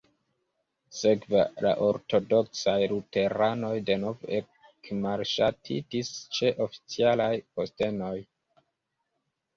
Sekve la ortodoksaj luteranoj denove ekmalŝatitis ĉe oficialaj postenoj.